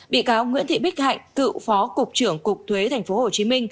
bị cáo nguyễn thị bích hạnh cựu phó cục trưởng cục thuế tp hcm